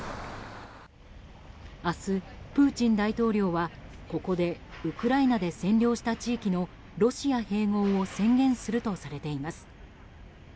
明日、プーチン大統領はここでウクライナで占領した地域のロシア併合を宣言するとされています。